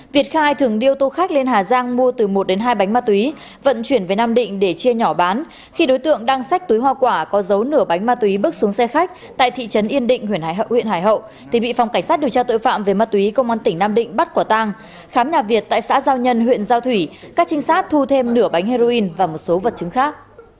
việc khai thường điêu tô khách lên hà giang mua từ một đến hai bánh ma túy vận chuyển về nam định để chia nhỏ bán khi đối tượng đăng sách túi hoa quả có dấu nửa bánh ma túy bước xuống xe khách tại thị trấn yên định huyện hải hậu thì bị phòng cảnh sát điều tra tội phạm về ma túy công an tỉnh nam định bắt quả tang khám nhà việt tại xã giao nhân huyện giao thủy các trinh sát thu thêm nửa bánh heroin và một số vật chứng khác